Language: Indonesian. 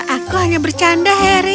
aku hanya bercanda harry